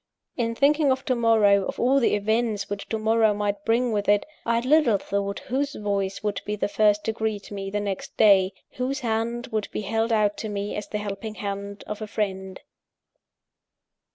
In thinking of to morrow, and of all the events which to morrow might bring with it, I little thought whose voice would be the first to greet me the next day, whose hand would be held out to me as the helping hand of a friend.